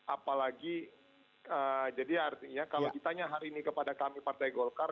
apalagi jadi artinya kalau ditanya hari ini kepada kami partai golkar